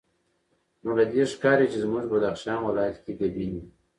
نو له دې ښکاري چې زموږ بدخشان ولایت کې ګبیني